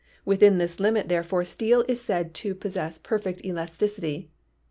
Within this limit, therefore, steel is said to possess perfect elasticity.